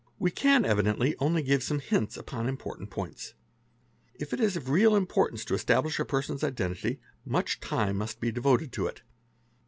We can evidently only give some hints upon important points. If it is of real importance to establish a person's identity, much time must be devoted to it.